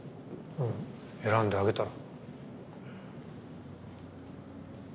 選んであげたら？